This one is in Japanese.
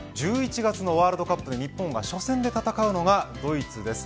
１１月のワールドカップで日本が初戦に戦うのはドイツです。